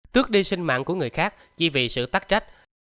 tước đi sinh mạng của người khác chỉ vì sự tắc trách